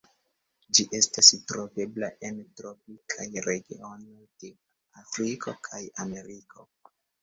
Ĝi estas trovebla en tropikaj regionoj de Afriko kaj Ameriko.